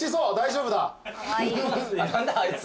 何だあいつ。